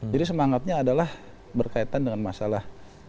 jadi semangatnya adalah berkaitan dengan masalah